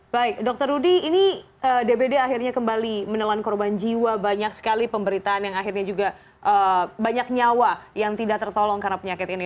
baik dokter rudy ini dbd akhirnya kembali menelan korban jiwa banyak sekali pemberitaan yang akhirnya juga banyak nyawa yang tidak tertolong karena penyakit ini